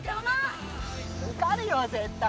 受かるよ絶対。